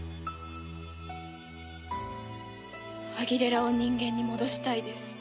アギレラを人間に戻したいです。